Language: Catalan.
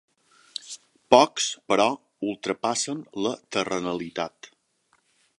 Pocs, però, ultrapassen la terrenalitat.